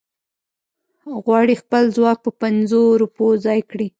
غواړي خپل ځواک په پنځو روپو ځای کړي.